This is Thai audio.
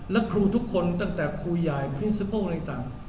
แล้วครูทุกคนตั้งแต่ครูยายพรินสิปเปิ้ลอะไรต่าง